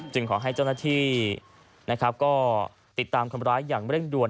ขอให้เจ้าหน้าที่นะครับก็ติดตามคนร้ายอย่างเร่งด่วน